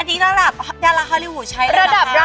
อันนี้ระดับฮอลลีวูดใช้เลยหรือยังคะ